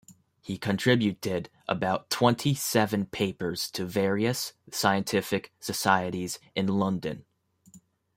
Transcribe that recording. He contributed about twenty seven papers to various scientific societies in London.